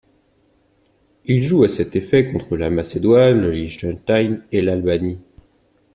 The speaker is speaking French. Il joue à cet effet contre la Macédoine, le Liechtenstein, et l'Albanie.